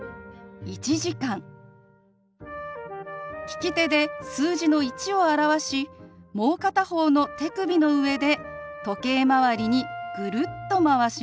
利き手で数字の１を表しもう片方の手首の上で時計まわりにグルッとまわします。